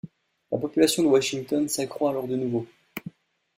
La population de Washington s'accroit alors de nouveau.